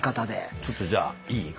ちょっとじゃあいい？